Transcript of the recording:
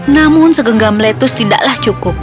namun segenggam lettuce tidaklah cukup